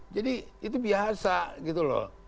jadi itu biasa gitu loh